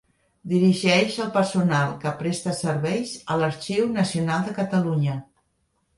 Dirigeix el personal que presta serveis a l'Arxiu Nacional de Catalunya.